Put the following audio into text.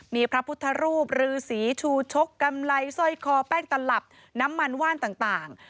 มีพระพุทธรูปรือสีชูชกกำไรสร้อยคอแป้งตลับน้ำมันว่านต่าง